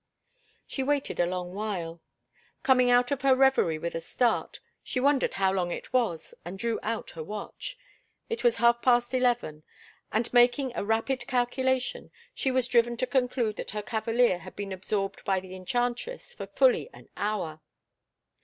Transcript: She waited a long while. Coming out of her reverie with a start, she wondered how long it was and drew out her watch. It was half past eleven, and, making a rapid calculation, she was driven to conclude that her cavalier had been absorbed by the enchantress for fully an hour.